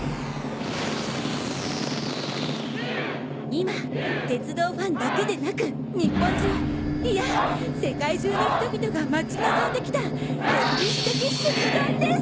今鉄道ファンだけでなく日本中いや世界中の人々が待ち望んで来た歴史的瞬間です！